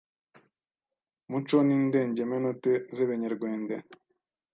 muco n’indengemenote z’Ebenyerwende